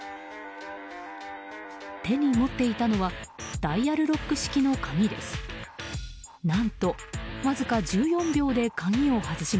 手に持っていたのはダイヤルロック式の鍵です。